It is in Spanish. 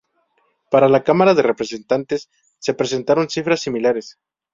Para la Cámara de Representantes se presentaron cifras similares.